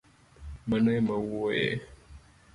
Mano emawuoye